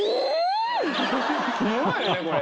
すごいねこれ。